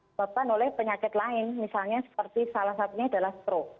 disebabkan oleh penyakit lain misalnya seperti salah satunya adalah stroke